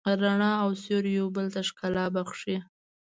رڼا او سیوری یو بل ته ښکلا بښي.